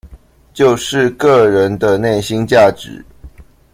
就是個人的內心價值